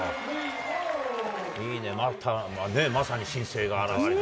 いいね、まさに新星が現れて。